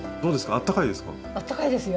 あったかいですよはい。